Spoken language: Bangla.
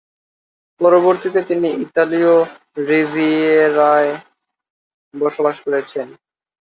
পরবর্তীতে তিনি ইতালীয় রিভিয়েরায় বসবাস করেছেন।